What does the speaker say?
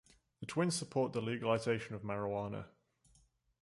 The twins support the legalization of marijuana.